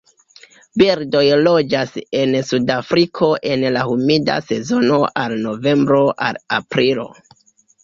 Birdoj loĝas en Sudafriko en la humida sezono el novembro al aprilo.